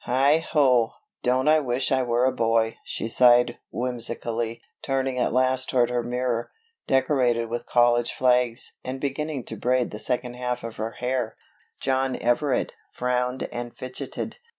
"Heigh ho, don't I wish I were a boy," she sighed whimsically, turning at last toward her mirror, decorated with college flags, and beginning to braid the second half of her hair. John Everett, frowned and fidgeted.